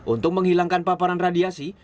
untuk menghilangkan paparan radiasi